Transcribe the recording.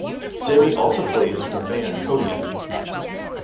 Sami also plays in the band Codeon.